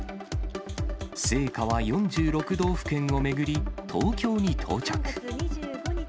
聖火は４６道府県を巡り、東京に到着。